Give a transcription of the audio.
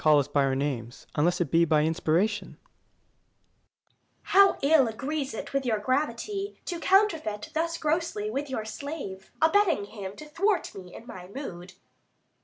_ How ill agrees it with your gravity To counterfeit thus grossly with your slave, Abetting him to thwart me in my mood!